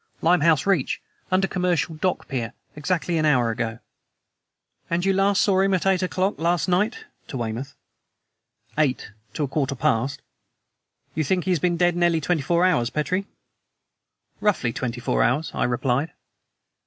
"Limehouse Reach under Commercial Dock Pier exactly an hour ago." "And you last saw him at eight o'clock last night?" to Weymouth. "Eight to a quarter past." "You think he has been dead nearly twenty four hours, Petrie?" "Roughly, twenty four hours," I replied.